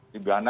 di bawah itu